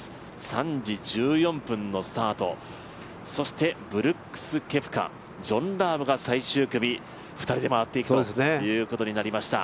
３時１４分のスタート、そしてブルックス・ケプカ、ジョン・ラームが最終組２人で回っていくということになりました。